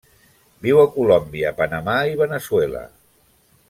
Viu a Colòmbia, Panamà i Veneçuela.